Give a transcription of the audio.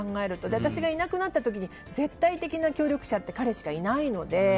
私がいなくなった時に絶対的な協力者って彼しかいないので。